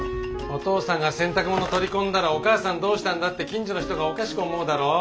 お父さんが洗濯物取り込んだら「お母さんどうしたんだ」って近所の人がおかしく思うだろ？